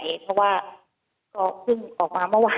เพราะว่าก็เพิ่งออกมาเมื่อวาน